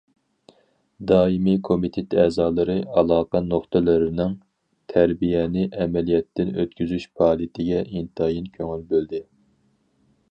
دائىمىي كومىتېت ئەزالىرى ئالاقە نۇقتىلىرىنىڭ تەربىيەنى ئەمەلىيەتتىن ئۆتكۈزۈش پائالىيىتىگە ئىنتايىن كۆڭۈل بۆلدى.